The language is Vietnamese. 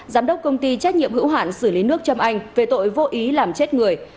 giám đốc công ty trách nhiệm hữu hạn xử lý nước trâm anh về tội vô ý làm chết người